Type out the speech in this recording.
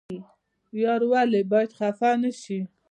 یار ولې باید خفه نشي؟